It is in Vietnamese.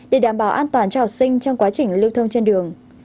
để đảm bảo an toàn cho học sinh trong quá trình lưu thông trên đường